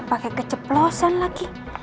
pakai keceplosan lagi